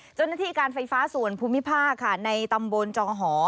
เจ้าหน้าที่การไฟฟ้าส่วนภูมิภาคค่ะในตำบลจองหอ